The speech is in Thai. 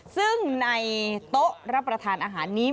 ซึ่งในโต๊ะรับประทานอาหารนี้